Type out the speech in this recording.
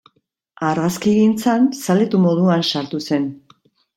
Argazkigintzan zaletu moduan sartu zen.